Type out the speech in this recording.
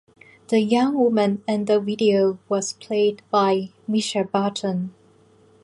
The young woman in the video was played by Mischa Barton.